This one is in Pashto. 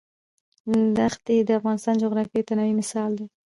ښتې د افغانستان د جغرافیوي تنوع مثال دی.